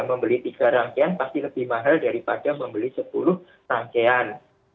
membeli tiga rangkaian pasti lebih mahal daripada membeli sepuluh rangkaian